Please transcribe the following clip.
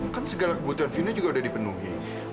kan segala kebutuhan vino juga udah dipenuhi